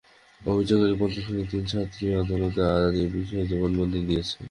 অভিযোগকারী পঞ্চম শ্রেণির তিন ছাত্রী আদালতে আজ এ বিষয়ে জবানবন্দি দিয়েছে।